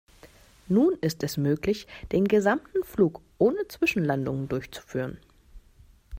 Nun ist es möglich, den gesamten Flug ohne Zwischenlandungen durchzuführen.